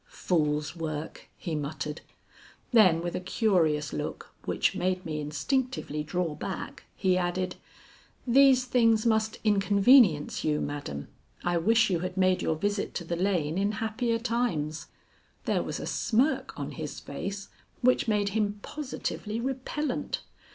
"Fool's work!" he muttered. Then with a curious look which made me instinctively draw back, he added, "These things must inconvenience you, madam. I wish you had made your visit to the lane in happier times." There was a smirk on his face which made him positively repellent.